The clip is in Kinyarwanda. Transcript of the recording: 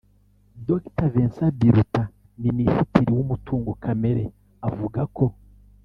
Dr Vincent Biruta Minisitiri w’umutungo kamere avuga ko